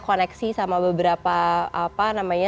koneksi sama beberapa apa namanya